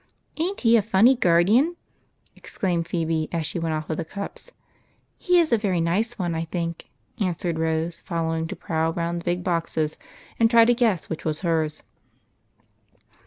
"Ain't he a funny guardeen?" exclaimed Phebe, as she went off with the cups. " He is a very kind one, I think," answered Rose, following, to prowl round the big boxes and try to guess which was hers.